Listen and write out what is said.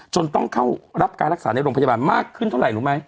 ต้องเข้ารับการรักษาในโรงพยาบาลมากขึ้นเท่าไหร่รู้ไหม